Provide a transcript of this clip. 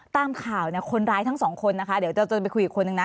ตามข่าวเนี่ยคนร้ายทั้งสองคนนะคะเดี๋ยวจะไปคุยอีกคนนึงนะ